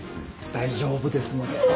大丈夫ですので。